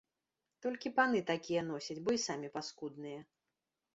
Толькі паны такія носяць, бо і самі паскудныя!